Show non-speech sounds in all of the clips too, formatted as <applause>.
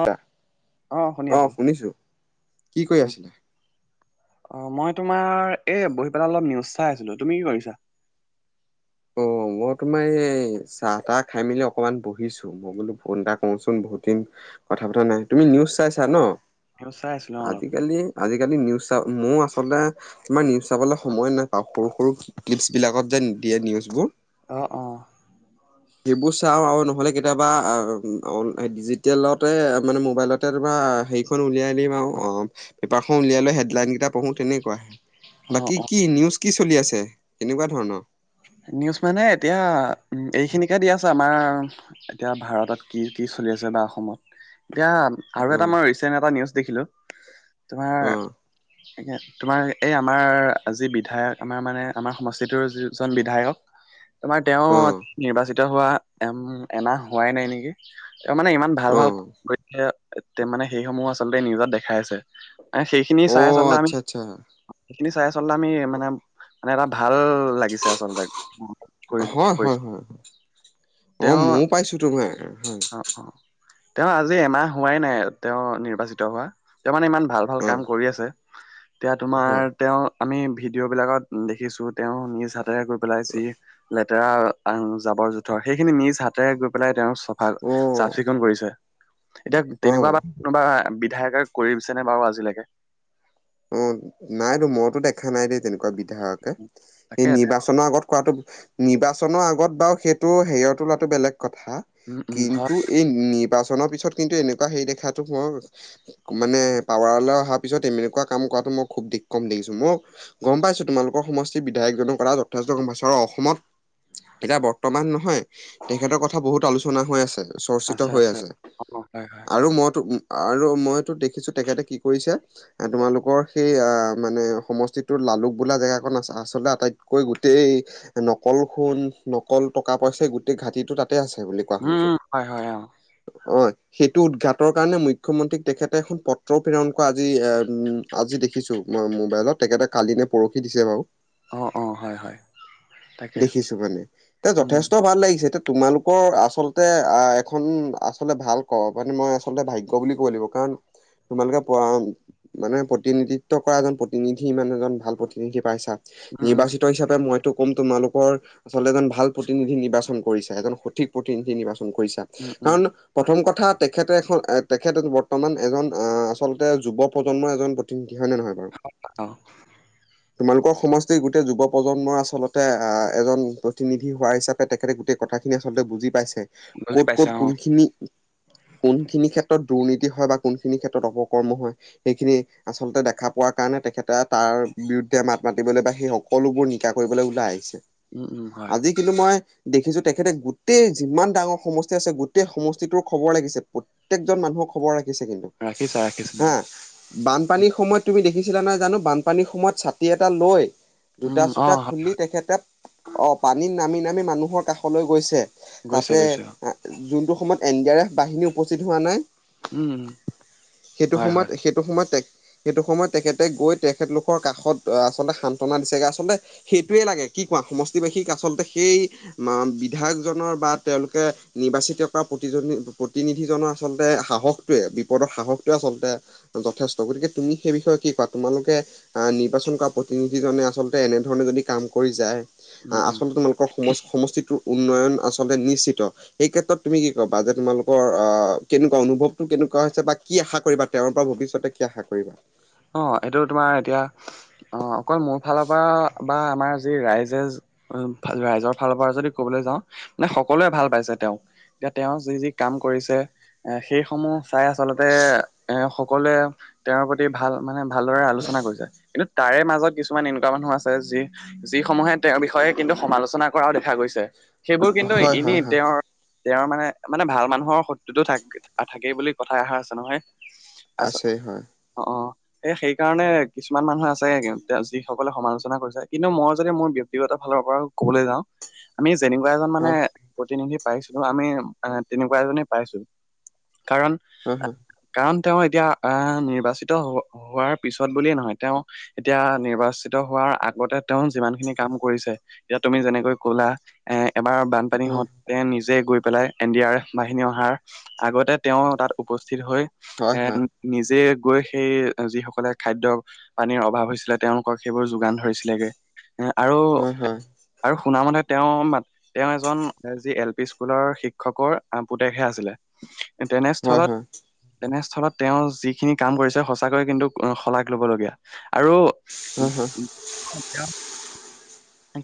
অ', অ', শুনি আছো কি কৰি উম, আছিলা অ, মই তোমাৰ এই বহি পেলাই অলপ নিউজ চাই আছিলো তুমি কি কৰিছা? অ, মই তোমাৰ এই চাহ তাহ খাই মেলি অকমান বহিছো। মই বোলো ফোন এটা কওচোন বহুত দিন কথা পতা নাই তুমি নিউজ চাইছা ন। নিউজ চাই আছিলো অ অলপমান আজিকালি আজিকালি নিউজ মোৰ আচলতে তোমাৰ নিউজ চাবলৈ সময় নাপাও সৰু - সৰু ক্লিপছ বিলাকত যে নিদিয়ে নিজবোৰ অ ', অ ', সেইবোৰ চাও আৰু নহ'লে কেতিয়াবা অ, ডিজিটেলতে মানে মোৱাইলতে তোমাৰ হেৰিখন উলিয়াই দিম আও অ, পেপাৰখন উলিয়াই লৈ হেডলাইন কেইটা পঢ়ো তেনেকুৱা। অ বাকী অ কি নিউজ কি চলি আছে, কেনেকুৱা ধৰণৰ। নিউজ মানে এতিয়া এইখিনিকে দি আছে আমাৰ। এতিয়া ভাৰতত কি- কি চলি আছে বা অসমত এতিয়া আৰু অ এটা মই ৰিচেন্ট এটা নিউজ দেখিলো তোমাৰ অ তোমাৰ এই আমাৰ যি বিধায়ক আমাৰ মানে আমাৰ সমষ্টিটোৰ যি জন বিধায়ক তোমাৰ তেওঁ অ নিৰ্বাচিত হোৱা এম এমাহ হোৱাই নাই নেকি তেওঁ মানে ইমান ভাল- অ ভাল <unintelligible> মানে সেইসমূহ আচলতে নিউজত দেখাই আছে। সেই সেইখিনি অ চাই আচলতে আমি আচ্ছা আচ্ছা সেইখিনি চাই আচলতে আমি মানে-মানে এটা ভাল লাগে লাগিছে আচলতে কি কৰিব হয় হয় হয় অ' তেওঁ ময়ো পাইছোঁ তোমাৰ। অ অ তেওঁ আজি এমাহ হোৱাই নাই তেওঁ নিৰ্বাচিত হোৱা তেওঁ মানে ইমান ভাল-ভাল অ কাম কৰি আছে। এতিয়া হয় তোমাৰ তেওঁ আমি ভিডিঅ' বিলাকত দেখিছোঁ তেওঁ নিজ হাত গৈ পেলাই যি লেতেৰা জাবৰ-জোথৰ সেইখিনি নিজ হাতেৰে গৈ পেলাই তেওঁ ভাল অ চাফ চিকুণ কৰিছে, এতিয়া অ তেনেকুৱা বা কোনোবা বিধায়কে কৰিছেনে বাৰু আজিলৈকে? অ' নাইতো মইতো দেখা নাই দেই তেনেকুৱা। বিধায়কে এই তাকে তেওঁ নিৰ্বাচনৰ আগত কৰাটো নিৰ্বাচনৰ আগত বাৰু সেইটো হেৰি তোলাটো বেলেগ কথা উম উম কিন্তু হয় এই নিৰ্বাচনৰ পিছত কিন্তু এনেকুৱা হেৰি দেখাটো বৰ মানে পাৱাৰলৈ অহাৰ পিছত এনেকুৱা কাম কৰাটো মই খুব দি কম দেখিছোঁ মোক গম পাইছোঁ তোমালোকৰ সমষ্টিৰ বিধায়কজনৰ কথা যথেষ্ট গম পাইছোঁ আৰু অসমত এতিয়া বৰ্তমান নহয়, তেখেতৰ কথা বহুত আলোচনা হৈ আছে। চৰ্চিত হৈ আছে অ হয় হয় আৰু মইতো আৰু মইতো দেখিছোঁ তেখেতে কি কৰিছে তোমালোকৰ সেই অ' মানে সমষ্টিটোৰ লালুক বোলা জেগাখনন আ আচলতে আটাইতকৈ গোটেই নকল সোণ, নকল টকা-পইচা গোটেই ঘাটিটো তাতে আছে বোলে। উম হয়-হয় অ' অ' সেইটো উদঘাটৰ কাৰণে মুখ্যমন্ত্ৰীক তেখেতে এখন পত্ৰ প্ৰেৰণ কৰা আজি এ উম আজি দেখিছোঁ মই মোবাইলত তেখেতে কালি নে পৰহি দিছে বাৰু অ অ হয় হয় তাকে দেখিছোঁ মানে তে উম যথেষ্ট ভাল লাগিছে এতিয়া তোমালোকৰ আচলতে এখন আচলতে ভাল ক মানে মই আচলতে ভাগ্য বুলি ক'ব লাগিব কাৰণ তোমালোকে প মানে প্ৰতিনিধিত্ব কৰা এজন প্ৰতিনিধি মানে এজন ভাল প্ৰতিনিধি পাইছা উম উম নিৰ্বাচিত হিচাপে মই টো কম তোমালোকৰ আচলতে এজন ভাল প্ৰতিনিধি নিৰ্বাচন কৰিছা এজন সঠিক প্ৰতিনিধি নিৰ্বাচন কৰিছা। উম উম কাৰণ প্ৰথম কথা তেখেতে এখন তেখেত বৰ্তমান এজন অ' আচলতে যুৱ প্ৰজন্মৰ এজন প্ৰতিনিধি হয় নে নহয়? বাৰু? অ'-অ' তোমালোকৰ সমষ্টিৰ গোটেই যুৱ প্ৰজন্মৰ আচলতে অ' এজন প্ৰতিনিধি হোৱা হিচাপে তেখেতে গোটেই কথাখিনি আচলতে বুজি পাইছে বুজি পাইছা ক'ত-ক'ত অ কোনখিনি কোনখিনি ক্ষেত্ৰত দুৰ্নীতি হয় বা কোনখিনি ক্ষেত্ৰত অপকৰ্ম হয়। সেইখিনি আচলতে দেখা পোৱাৰ কাৰণে তেখেতে তাৰ বিৰুদ্ধে মাত মাতিবলৈ বা সেই সকলোবোৰ নিকা কৰিবলৈ ওলাই আহিছে। উম-উম হয়। আজি কিন্তু মই দেখিছোঁ তেখেতে গোটেই যিমান ডাঙৰ সমষ্টি আছে গোটেই সমষ্টিটোৰ খবৰ লাগিছে। প্ৰত্যেকজন মানুহ খবৰ ৰাখিছে কিন্তু। ৰাখিছা ৰাখিছোঁ। হা বানপানীৰ সময়ত তুমি দেখিছিলা নহয় জানো বানপানীৰ সময়ত ছাতি এটা লৈ উম জোটা অ চোতা হয় খুলি হয় তেখেতে অ' পানীত নামি-নামি মানুহৰ কাষলৈ গৈছে। গৈছে তাতে গৈছে অ যোনটো সময়ত এন ডি আৰ এফ বাহিনী উপস্থিত হোৱা নাই উম উম সেইটো হয় সময়ত হয় সেইটো সময়ত সেইটো সময়ত তেখেতে গৈ তেখেতলোকৰ কাষত আচলতে সান্তনা দিছেগে আচলতে সেইটোৱে লাগে কি কোৱা সমষ্টিবাসীক আচলতে সেই বিধায়কজনৰ বা তেওঁলোকে নিৰ্বাচিত কৰা প্ৰতিজন প্ৰতিনিধিজনৰ আচলতে সাহস। য়ে বিপদৰ সাহসটোৱে আচলতে যথেষ্ট গতিকে তুমি সেই বিষয়ে কি কোৱা তোমালোকে, আহ নিৰ্বাচন কৰা প্ৰতিনিধিজনে আচলতে এনেধৰণে যদি কাম কৰি যায়। উম আহ উম আচলতে তোমলালোকৰ সম সমষ্টিটোৰ উন্নয়ন আচলতে নিশ্চিত, এই ক্ষেত্ৰত তুমি কি ক'বা যে তোমালোকৰ অ' কেনেকুৱা অনুভৱটো কেনেকুৱা হৈছে বা কি আশা কৰিবা তেওঁৰ পৰা ভৱিষ্যত ভবিষ্যতে কি আশা কৰিবা। অ' এইটো তোমাৰ এতিয়া অ' অকল মোৰ ফালৰ পৰা বা আমাৰ যি ৰাইজে ৰাইজৰ ফালৰ পৰা যদি ক'বলৈ যাওঁ মানে সকলোৱে ভাল পাইছে তেওঁক। এতি তেওঁ যি যি কাম কৰিছে এ সেইসমূহ। চাই আচলতে এ সকলোৱে তেওঁৰ প্ৰতি ভাল মানে ভালদৰে আলোচনা কৰিছে কিন্তু তাৰে মাজত কিছুমান এনেকুৱা মানুহ আছে যি। যি সমূহে তেওঁৰ বিষয়ে কিন্তু সমালোচনা কৰাও দেখা গৈছে সেইবোৰ কিন্তু হয় এনে হয় হয় তেওঁৰ। তেওঁৰ মানে মানে ভাল মানুহৰ শত্ৰুতো থাক থাকেই বুলি কথা অহা আছে নহয়। আছ আছে হয় অ অ, এ সেইকাৰণে কিছুমান মানুহ আছে যি সকলে সমালোচনা কৰিছে কিন্তু মই যদি মোৰ ব্যক্তি, গত ফালৰ পৰাও কবলৈ যাওঁ আমি যেনেকুৱা এজন মানে হয় প্ৰতিনিধি, পাইছিলো আমি তেনেকুৱা এজনে পাইছো কাৰণ, হয় কাৰণ তেওঁ এতিয়া আহ নিৰ্বাচিত হোৱাৰ পিছত বুলিয়ে নহয় তেওঁ, এতিয়া নিৰ্বাচিত হোৱাৰ আগতে তেওঁ যিমান খিনি কাম কৰিছে। এতিয়া তুমি যেনেকৈ কলা এ এবাৰ বানপানী হত তেওঁ নিজে গৈ পেলাই এন ডি আৰ এফৰ বাহিনী অহাৰ আগতে তেওঁ তাত উপস্থিত হৈ, হয় হয় এ হয় নিজে গৈ, সেই যি সকলে খাদ্যয় পানীৰ অভাৱ হৈছিলে তেওঁলোকক সেইবোৰ যোগান ধৰিছিলেগে। এ আৰু হয় আৰু শুনা মতে তেওঁ মাত, তেওঁ এজন যি এল পি স্কুলৰ শিক্ষকৰ পুতেকহে আছিলে। হয় হয় হয় হয় তেনেস্থলত তেনেস্থলত তেওঁ যিখিনি কাম কৰিছিল। সঁচাকৈয়ে কিন্তু শলাগ লবলগীয়া আৰু হয় হয় হয় হয় হয় হয় হয় হয় হয় হয়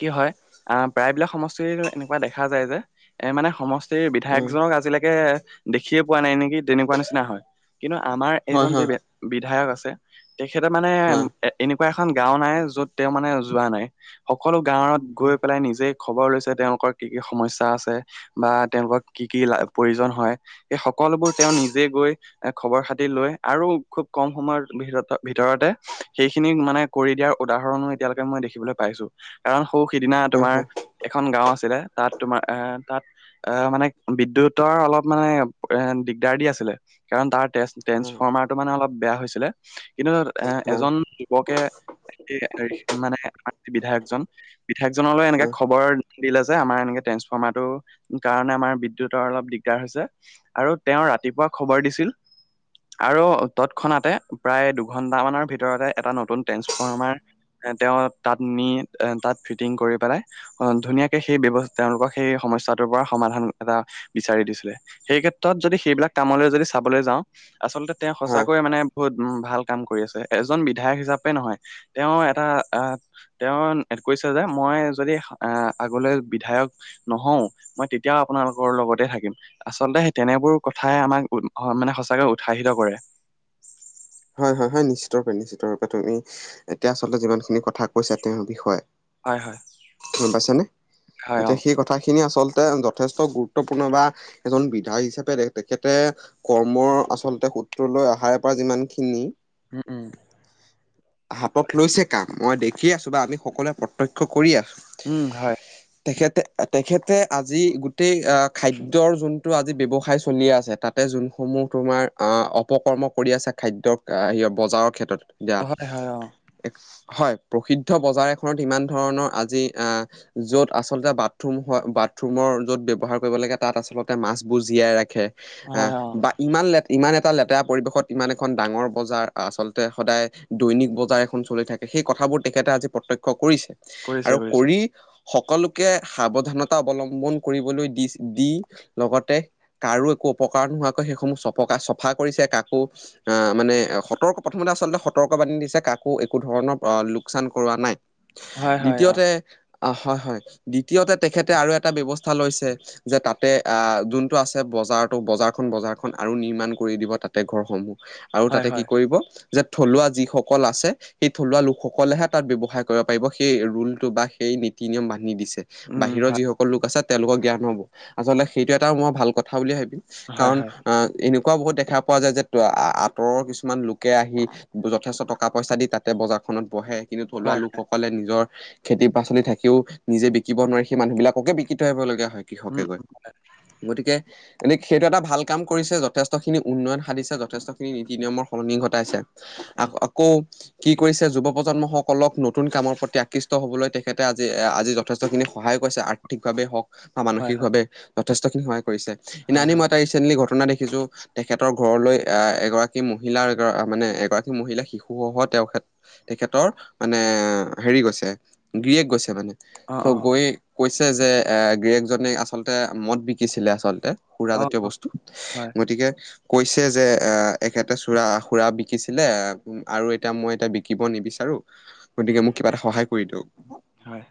কি হয় আহ প্ৰায়বিলাক সমষ্টিৰ এনেকুৱা দেখা যায় যে এ মানে সমষ্টিৰ, বিধায়কজনক আজিলৈকে দেখিয়ে পোৱা নাই নেকি তেনেকুৱা নিচিনা হয় কিন্তু আমাৰ, এইজন যি বিধায়ক আছে তেখেতে মানে। এ এনেকুৱা এখন গাওঁ নাই য'ত তেওঁ মানে যোৱা নাই সকলো গাঁৱত গৈ পেলাই নিজে, খবৰ লৈছে তেওঁলোকৰ কি কি সমস্যা আছে বা তেওঁলোকৰ কি কি প্ৰয়োজন হয়। এই সকলোবোৰ তেওঁ নিজে গৈ। এ খবৰ খাতি লৈ আৰু খুব কম সময়ৰ ভিত ভিতৰতে সেইখিনি মানে। কৰি দিয়াৰ উদাহৰণো এতিয়ালৈকে মই দেখিবলৈ পাইছো কাৰণ সৌ সিদিনা তোমাৰ। এখন গাওঁ আছিলে তাত তোমাৰ এ তাত, এ মানে বিদ্যুতৰ অলপ মানে এ দিগদাৰ দি আছিলে কাৰণ তাৰ তেজ। ট্ৰেন্ঞ্চফৰ্মাৰটো মানে অলপ বেয়া হৈছিলে কিন্তু এজন, <unintelligible> মানে বিধায়ক। বিধায়কজনলৈ এনেকে খবৰ দিলে যে আমাৰ এনেকে ট্ৰেন্সফৰ্মাৰ টো, কাৰণে আমাৰ বিদ্যুতৰ অলপ দিগদাৰ হৈছে আৰু তেওঁ ৰাতিপুৱা খবৰ দিছিল। আৰু তৎক্ষণাতে প্ৰায় দুঘন্টা মানৰ ভিতৰতে এটা নতুন ট্ৰেন্সফৰ্মাৰ, তেওঁ তাত নি এ তাত ফিটিং কৰি পেলাই। অ ধুনীয়াকে সেই ব্যৱ তেওঁলোক সেই সমস্যাটোৰ পৰা সমাধান এটা বিচাৰি দিছিলে। সেই ক্ষেত্ৰত যদি সেইবিলাক কামলৈ যদি চাবলৈ যাওঁ আচলতে তেওঁ হয় সঁচাকৈয়ে মানে। বহুত উ ভাল কাম কৰি আছে এজন বিধায়ক হিচাপে নহয় তেওঁ এটা তেওঁৰ, তেখেতে কৈছে যে মই যদি আহ আগলৈ বিধায়ক। নহও মই তেতিয়াও আপোনালোকৰ লগতে থাকিম। আচলতে সেই তেনেবোৰ কথাই আমাক উ মানে সঁচাকৈ উৎসাহিত কৰে। হয় হয় হয় নিশ্চিত ৰূপে নিশ্চিত ৰূপে তুমি এতিয়া আচলতে যিমানখিনি কথা কৈছা তেওঁৰ বিষয়ে। হয় হয় গম পাইছানে হয় অ এতিয়া সেই কথা। কথাখিনি আচলতে যথেষ্ট গুৰুত্বপূৰ্ণ বা এজন বিধায়ক হিচাপে তেখেতে, কৰ্মৰ আচলতে সূত্ৰলৈ অহাৰে পৰা যিমানখিনি। উম উম, হাতত লৈছে কাম মই দেখি আছোঁ বা আমি সকলোৱে প্ৰত্যক্ষ কৰি আছোঁ। উম, হয়। তেখেতে- তেখেতে আজি গোটেই অ, খাদ্যৰ যোনটো আজি ব্যৱসায় চলি আছে তাত তাতে যোনসমূহ তোমাৰ অ, অপকৰ্ম কৰি আছে খাদ্যক আ ইয় বজাৰৰ ক্ষেত্ৰত দিয়া হয় হয় অ হয়, প্ৰসিদ্ধ বজাৰ এখনত ইমান ধৰণৰ আজি আহ য'ত আচলতে বাথৰুম হয় বাথৰুমৰ য'ত ব্যৱহাৰ কৰিব লাগে তাত আচলতে মাছবোৰ জীয়াই ৰাখে। এ হয় অ বা ইমান লে ইমান এটা লেতেৰা পৰিবেশত ইমান এ এখন ডাঙৰ বজাৰ আচলতে সদায় দৈনিক বজাৰ এখন চলি থাকে সেই কথাবোৰ তেখেতে আজি প্ৰত্যক্ষ কৰিছে। কৰিছে আৰু কৰিছে কৰি সকলোকে সাৱধানতা অৱলম্বন কৰিবলৈ দিচে দি লগতে কাৰো একো অপকাৰ নোহোৱাকৈ সেইসমূহ চপকা চফা কৰিছে কাকো আহ, মানে সতৰ্ক প্ৰথমতে আচলতে সতৰ্ক বানি দিছে কাকো একো ধৰণৰ অ, লোকচান কৰোৱা নাই। হয় হয় অ দ্বিতীয়তে অ, হয় -হয় দ্বিতীয়তে তেখেতে আৰু এটা ব্যৱস্থা লৈছে যে তাতে আহ, যোনটো আছে বজাৰটো বজাৰখন -বজাৰখন আৰু নিৰ্মান কৰি দিব তাতে ঘৰসমূহ। আৰু হয় তাতে কি হয় কৰিব যে থলুৱা যিসকল আছে সেই থলুৱা লোকসকলেহে তাত ব্যৱসায় কৰিব পাৰিব সেই ৰুলটো বা সেই নীতি নিয়ম বানহী দিছে। উম উম বাহিৰৰ হয় যিসকল লোক আছে তেওঁলোকৰ জ্ঞান হব আচলতে সেইটো এটা মই ভাল কথা বুলি ভাবিম। হয় কাৰণ হয় অ, এনেকুৱা বহুত দেখা পোৱা যায় যে <unintelligible> আঁতৰৰ কিছুমান লোকে আহি যথেষ্ট টকা পইচা দি তাতে বজাৰ খনত বহে কিন্তু থলুৱা হয় লোকসকল সকলে নিজৰ খেতি পাচলি থাকিও নিজে বিকিব নোৱাৰি সেই মানুহ বিলাককে বিকি থৈ আহিবলগীয়া হয়। কৃষকে উম গৈ গতিকে এনে সেইটো এটা ভাল কাম কৰিছে যথেষ্টখিনি উন্নয়ন সাধিছে যথেষ্ট এই ৰীতি -নিয়মৰ সলনি ঘটাইছে উম আক- আকৌ কি কৰিছে যুৱ প্ৰজন্মসকলক নতুন কামৰ প্ৰতি আকৃষ্ট হবলৈ তেখেতে আজি -আজি যথেষ্টখিনি সহায় কৰিছে সঠিকভাৱে হওঁক বা হয় হয় মানসিকভাৱে যথেষ্টখিনি সহায় কৰিছে হয় ইনানি হয় মই তাইচ ৰিচেণ্টলি ঘটনা দেখিছোঁ তেখেতৰ ঘৰলৈ আ এ এগৰাকী মহিলাৰ মানে এগৰাকী মহিলা শিশুসহ তেওঁ <unintelligible> তেখেতৰ মানে হেৰি গৈছে গৰিয়েক গৈছে মানে অ চ' অ গৈয়ে কৈছে যে এ গিৰিয়েক জনে আচলতে মদ বিকিছিলে আচলতে। অ সুৰাজাতীয় অ বস্তু হয় গতিকে কৈছে যে আহ এখেতে চুৰা সুৰা বিকিছিলে আৰু এতিয়া মই এতিয়া বিকিব নিবিচাৰো গতিকে মোক কিবা এটা সহায় কৰি দিয়ক। হয়।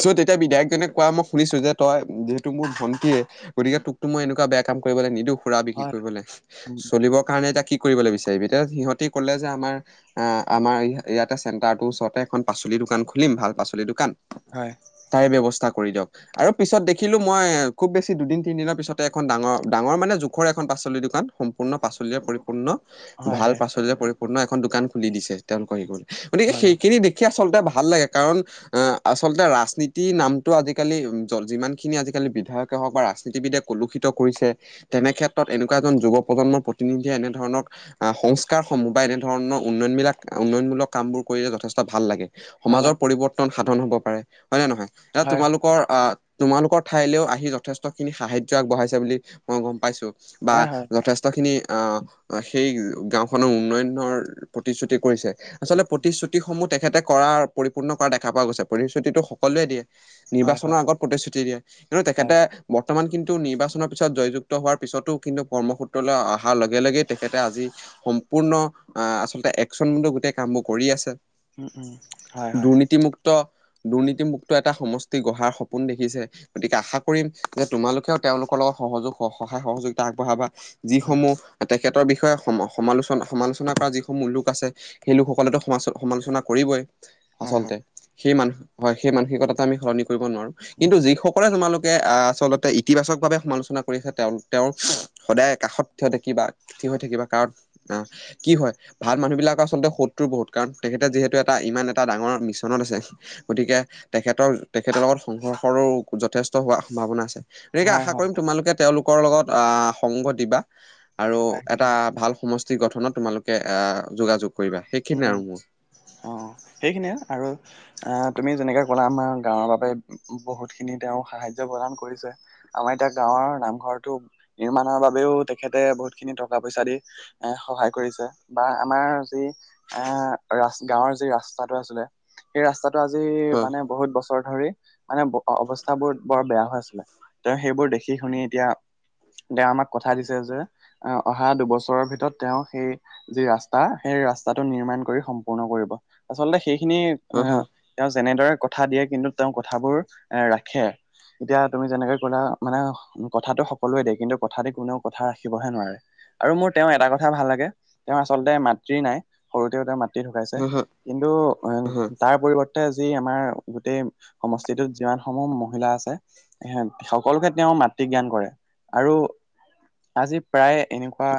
চ' তেতিয়া বিধায়কজনে কোৱা মই শুনিছোঁ যে তই যিহেতু মোৰ ভন্টিয়ে গতিকে তোকতো মই এনেকুৱা বেয়া কাম কৰিবলে নিদো। সুৰা বিক্ৰী হয় কৰিবলে উম উম, চলিব কাৰণে এতিয়া কি কৰিবলৈ বিচাৰিবি এতিয়া সিহঁতে কলে যে আমাৰ আ, আমাৰ ইয়াতে চেণ্টাৰটোৰ ওচৰতে এখন পাচলি দোকান খুলিম ভাল পাচলি দোকান হয়। তাৰে ব্যৱস্থা কৰি দিয়ক। আৰু পিছত দেখিলোঁ মই খুব বেছি দুদিন, তিনিদিনৰ পিছতে এখন ডাঙৰ- ডাঙৰ মানে যুখ খৰে এখন পাচলি দোকান সম্পূৰ্ণ। পাচলিৰে পৰিপূৰ্ণ হয় ভাল হয় পাচলি পৰিপূৰ্ণ এখন দোকান খুলি দিছে। তেওঁলোক আহি গ'ল মানে কি হয় অ সেইখিনি দেখি আচলতে ভাল লাগে কাৰণ আহ, আচলতে ৰাজনীতিৰ নামটো আজিকালি জল যিমান খিনি আজিকালি বিধায়কে হওঁক বা ৰাজনীতি বিধেয়ক পলুষিত কৰিছে তেনে ক্ষেত্ৰত এনেকুৱা এজন যুৱ প্ৰজন্মৰ প্ৰতিনিধিয়ে এনেধৰণক আহ সংস্কাৰসমূহ বা এনেধৰণৰ উন্নয়ন বিলাকৰ উন্নয়নমূলক কামবোৰ কৰিলে যথেষ্ট ভাল লাগে। ভাল সমাজৰ লাগে পৰিৱৰ্তন সাধন হব পাৰে হয় নে নহয় এটা হয় তোমালোকৰ আহ, তোমালোকৰ ঠাইলেও আহি যথেষ্ট খিনি সাহা্য আগবঢ়াইছে বুলি মই গম পাইছো বা হয় হয় যথেষ্ট খিনি আহ সেই গাঁওখনৰ উন্নয়নৰ প্ৰতিশ্ৰুতি কৰিছে। আচলতে প্ৰতিশ্ৰুতিসমূহ তেখেতে কৰা পৰিপূৰ্ণ কৰা দেখা পোৱা গৈছে প্ৰতিশ্ৰুতিটো সকলোৱে দিয়ে। হয় নিৰ্বাচনৰ হয় আগত প্ৰতিশ্ৰুতি দিয়ে কিন্তু হয় তেখেতে বৰ্তমান কিন্তু নিৰ্বাচনৰ পিছত জয়যুক্ত হোৱাৰ পিছতো কিন্তু কৰ্মসূত্ৰলৈ আহ আহাৰ লগে- লগে তেখেতে আজি সম্পূৰ্ণ আহ আচলতে একচন ম গোটেই কামবোৰ কৰি আছে। উম-উম হয়-হয়। তি মুক্ত দুৰ্নীতিমুক্ত এটা সমষ্টি গঢ়াৰ সপোন দেখিছে। গতিকে আশা কৰিম যে তোমালোকেও তেওঁলোকৰ লগত সহযোগ স সহায় সহযোগিতা আগবঢ়াবা। হয় যিসমূহ তেখেতৰ বিষয়ে সম সমালোচনা- সমালোচনা আলোচনা কৰা যিসমূহ লোক আছে সেই লোকসকলেতো সম সমালোচনা কৰিবই হয় আচলতে। সেই মান হয় সেই মানসিকতাটো আমি সলনি কৰিব নোৱাৰো কিন্তু যিসকলে তোমালোক আহ আচলতে ইতিবাচক ভাৱে সমালোচনা কৰি আছে তেওঁ - তেওঁৰ সদায় কাষত থ থাকিবা থ হৈ থাকিবা কাৰণ আহ কি হয় ভাল মানুহব বিলাকৰ আচলতে সত্ৰৰ বহুত কাৰণ তেখেতে যিহেতু এটা ইমান এটা ডাঙৰ মিছনত আছে। গতিকে তেখেতৰ তেখেতৰ লগত সংঘৰ্ষৰো যথেষ্ট হোৱাৰ সম্ভাৱনা আছে। গতিকে হয় আশা হয় কৰিম তোমালোকে তেওঁলোকৰ লগত আহ সংগ দিবা। আৰু হয় এটা হয় ভাল সমষ্টি গঠনত তোমালোকে আহ যোগাযোগ কৰিবা উম সেইখিনিয় উম আৰু মোৰ অ, সেইখিনিয়ে আৰু আহ তুমি যেনেকে ক'লা আমাৰ গাঁৱৰ বাবে বহুত খিনি তেওঁ সাহাৰ্য্য প্ৰদান কৰিছে। আমাৰ এতিয়া গাঁৱৰ নামঘৰটো নিৰ্মামানৰ বাবেও তেখেতে বহুত খিনি টকা পইচা দি। এ সহায় কৰিছে বা আমাৰ যি আহ ৰা গাঁৱৰ যি ৰাস্তাটো আছিলে সেই ৰাস্তাটো আজি হয় মানে বহুত বছৰ ৰ ধৰি মানে অৱস্থাবোৰ বৰ বেয়া হৈ আছিলে তেওঁ সেইবোৰ দেখি শুনি এতিয়া দে আমাক কথা দিছে যে আহ অহা দুবছৰৰ ভিতৰত তেওঁ সেই যি ৰাস্তা সেই ৰাস্তা টো নিৰ্মাণ কৰি সম্পূৰ্ণ কৰিব আচলতে সেইখিনি এ হয় হয় তেওঁ যেনেদৰে কথা দিয়ে কিন্তু তেওঁ কথাবোৰ এ ৰাখে। এতিয়া তুমি যেনেকে ক'লা মানে কথাতটো সকলোৱে দিয় কিন্তু কথা দি কোনেও কথা ৰাখিবহে নোৱাৰে। আৰু মোৰ তেওঁ এটা কথা ভাল লাগে তেওঁ আচলতে মাতৃ নাই। সৰুতে তেওঁৰ মাতৃ ঢুকাইছে হয় হয় কিন্তু উম, হা তাৰ পৰিৱৰ্তে যি আমাৰ গোটেই সমষ্টিটোত যিমান সমূহ মহিলা আছে এ সকলোকে তেওঁ মাতৃ জ্ঞান কৰে আৰু আজি প্ৰায় এনেকুৱা